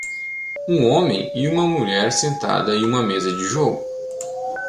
Um homem e uma mulher sentada em uma mesa de jogo.